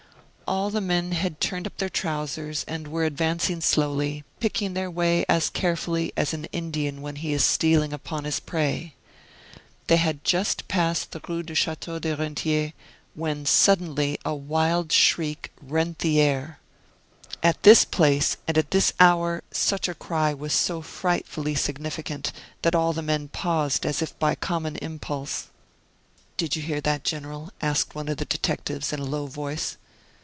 All the men had turned up their trousers and were advancing slowly, picking their way as carefully as an Indian when he is stealing upon his prey. They had just passed the Rue du Chateau des Rentiers when suddenly a wild shriek rent the air. At this place, and at this hour, such a cry was so frightfully significant, that all the men paused as if by common impulse. "Did you hear that, General?" asked one of the detectives, in a low voice.